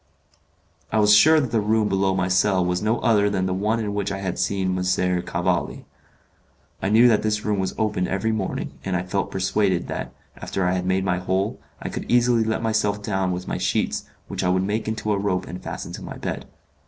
I was sure that the room below my cell was no other than the one in which I had seen M. Cavalli. I knew that this room was opened every morning, and I felt persuaded that, after I had made my hole, I could easily let myself down with my sheets, which I would make into a rope and fasten to my bed.